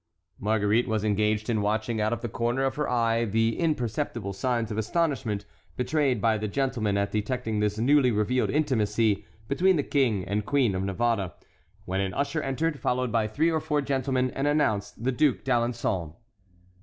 Marguerite was engaged in watching out of the corner of her eye the imperceptible signs of astonishment betrayed by the gentlemen at detecting this newly revealed intimacy between the king and queen of Navarre, when an usher entered, followed by three or four gentlemen, and announced the Duc d'Alençon.